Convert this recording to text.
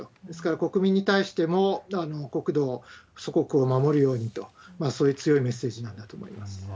ですから国民に対しても国土、祖国を守るようにと、そういう強いメッセージなんだと思います。